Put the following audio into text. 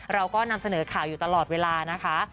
เราก็นำเสนอข่าวอยู่ตลอดเวลานะคะ